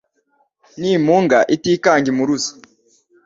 N' impunga itikanga impuruza